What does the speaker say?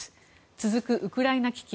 続くウクライナ危機。